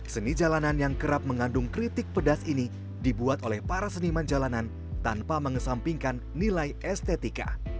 seni jalanan yang kerap mengandung kritik pedas ini dibuat oleh para seniman jalanan tanpa mengesampingkan nilai estetika